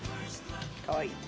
かわいい。